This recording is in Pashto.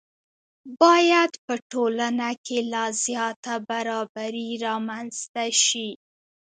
باید په ټولنه کې لا زیاته برابري رامنځته شي.